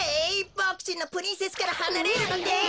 ボクちんのプリンセスからはなれるのです！